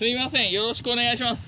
よろしくお願いします。